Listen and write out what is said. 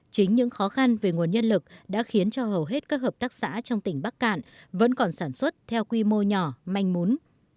chính những khó khăn về nguồn nhân lực đã khiến cho hầu hết các hợp tác xã trong tỉnh bắc cạn vẫn còn sản xuất theo quy mô nhỏ manh mún